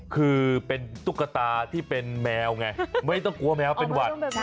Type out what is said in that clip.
คือเป็นตุ๊กตาที่เป็นแมวไงไม่ต้องกลัวแมวเป็นหวัด